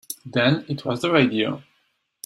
Then it was the radio.